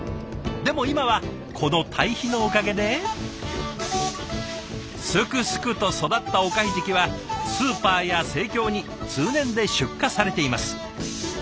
でも今はこの堆肥のおかげですくすくと育ったおかひじきはスーパーや生協に通年で出荷されています。